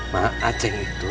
mak aceh itu